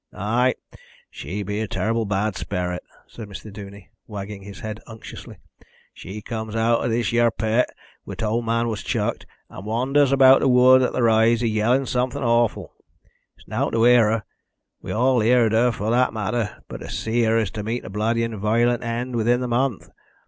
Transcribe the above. "Ay, she be a terr'ble bad sperrit," said Mr. Duney, wagging his head unctuously. "She comes out of this yare pit wheer t'owd man was chucked, and wanders about the wood and th' rise, a yellin' somefin awful. It's nowt to hear her we've all heerd her for that matter but to see her is to meet a bloody and violent end within the month.